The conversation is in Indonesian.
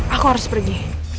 aku harus pergi